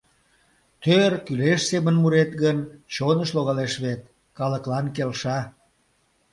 — Тӧр, кӱлеш семын мурет гын, чоныш логалеш вет, калыклан келша.